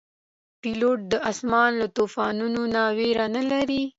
پیلوټ د آسمان له توپانه نه ویره نه لري.